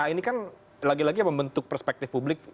ini kan lagi lagi membentuk perspektif publik